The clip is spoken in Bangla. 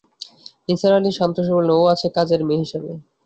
নিসার আলি শান্ত স্বরে বললেন, ও আছে কাজের মেয়ে হিসেবে।